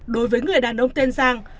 đối với người đàn ông tên giang